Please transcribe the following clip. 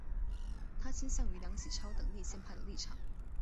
他倾向于梁启超等立宪派的立场。